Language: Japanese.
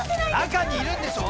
中にいるんでしょ？